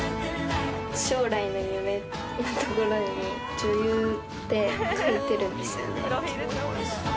将来の夢のところに女優って書いてるんですよね。